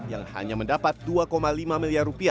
yang hanya mendapat rp dua lima miliar